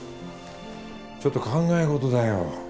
ちょっと考え事だよ